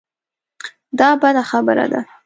دا بده خبره ده.